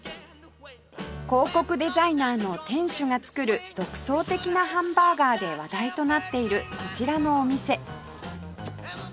広告デザイナーの店主が作る独創的なハンバーガーで話題となっているこちらのお店